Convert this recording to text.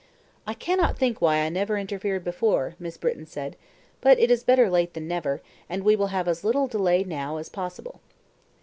"I cannot think why I never interfered before," Miss Britton said, "but it is better late than never, and we will have as little delay now as possible."